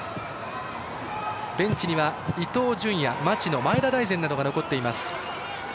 ベンチには伊東純也、町野前田大然などが残っています。